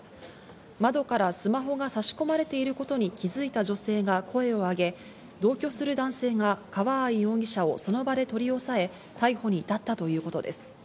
窓からスマホが差し込まれていることに気づいた女性が声を上げ、同居する男性が川合容疑者をその場で取り押さえ、逮捕に至ったということです。